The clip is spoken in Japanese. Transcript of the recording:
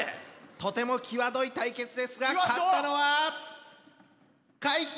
とても際どい対決ですが勝ったのは怪奇！